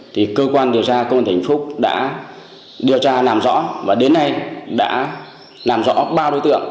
thì cơ quan điều tra công an tỉnh vĩnh phúc đã điều tra làm rõ và đến nay đã làm rõ ba đối tượng